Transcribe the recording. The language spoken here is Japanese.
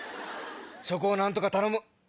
そこを何とか頼む！